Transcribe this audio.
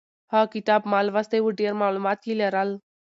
هغه کتاب چې ما لوستی و ډېر معلومات یې لرل.